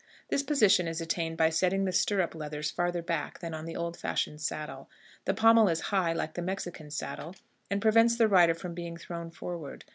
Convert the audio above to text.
This position is attained by setting the stirrup leathers farther back than on the old fashioned saddle. The pommel is high, like the Mexican saddle, and prevents the rider from being thrown forward.